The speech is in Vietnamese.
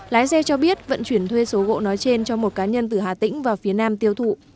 lái xe cho biết vận chuyển thuê số gỗ nói trên cho một cá nhân từ hà tĩnh vào phía nam tiêu thụ